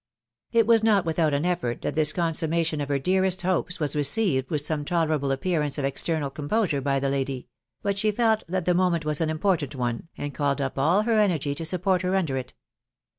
It was not without an effort mat this consummation of her dearest hopes was received with some tolerable appearance of external composure by the lady ; \wl she £& \ha& nm THE WIDOW BARNABY* 17g . 'was an important one, and called up all her energy to support * her under it.